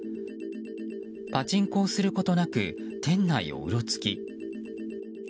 パチンコをすることなく店内をうろつき。